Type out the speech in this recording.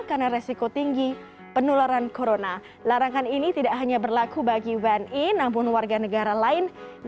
karena resiko tinggi penularan corona larangan ini tidak hanya berlaku bagi bni